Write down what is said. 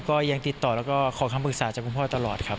ก็ยังติดต่อแล้วก็ขอคำปรึกษาจากคุณพ่อตลอดครับ